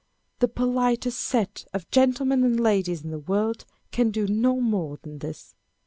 The politest set of gentlemen and ladies in the world can do no more than this.